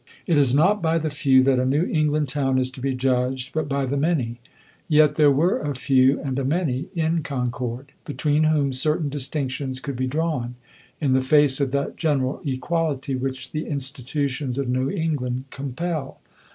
It is not by the few that a New England town is to be judged, but by the many. Yet there were a Few and a Many in Concord, between whom certain distinctions could be drawn, in the face of that general equality which the institutions of New England compel.